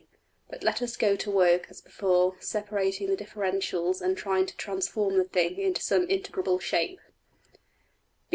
But let us go to work as before, separating the differentials and trying to transform the thing into some integrable shape.